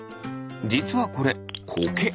じつはこれコケ。